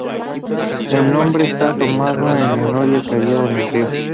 El nombre está tomado de la noria que había en el río.